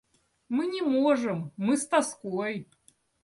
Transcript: Мы не можем, мы с тоской.